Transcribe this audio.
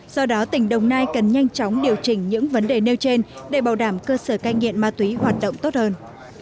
do đó tỉnh đồng nai cần nhanh chóng điều chỉnh những vấn đề nêu trên để bảo đảm cơ sở cai nghiện ma túy hoạt động tốt hơn